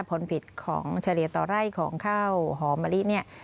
ผลผิดของเฉลี่ยต่อไร่ของข้าวหอมมะลิเนี่ย